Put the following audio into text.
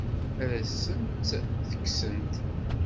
Ad asent-tt-kksent?